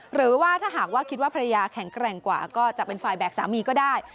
หรือว่าถ้าหากว่าคิดว่าภรรยาแข็งแกร่งกว่าก็จะเป็นฝ่ายแบกสามีก็ได้